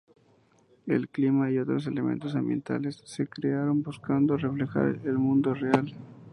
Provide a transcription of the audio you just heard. El clima y otros elementos ambientales se crearon buscando reflejar el mundo real.